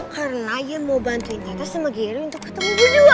karena iyan mau bantuin tata sama geri untuk ketemu berdua